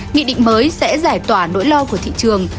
nghị định mới sẽ giải tỏa nỗi lo của thị trường